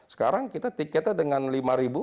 sekarang kita tiketnya dengan rp lima